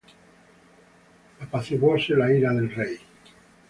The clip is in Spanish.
apaciguóse la ira del rey.